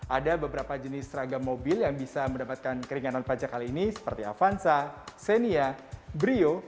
ada beberapa jenis seragam mobil yang bisa mendapatkan keringanan pajak kali ini seperti avanza xenia brio